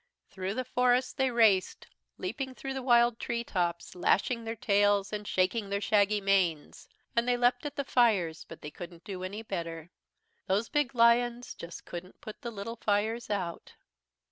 Through the forests they raced, leaping through the wild tree tops, lashing their tails, and shaking their shaggy manes. And they leaped at the fires, but they couldn't do any better. Those big lions just couldn't put the little fires out.